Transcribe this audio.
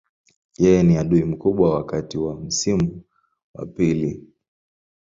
Yeye ni adui mkubwa wakati wa msimu wa pili.